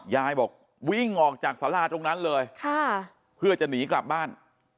ยายบอกวิ่งออกจากสาราตรงนั้นเลยเพื่อจะหนีกลับบ้าน